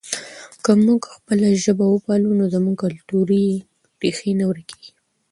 که موږ خپله ژبه وپالو نو زموږ کلتوري ریښې نه ورکېږي.